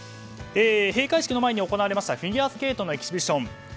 閉会式の前に行われましたフィギュアスケートのエキシビション。